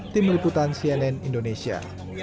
tim liputan cnn indonesia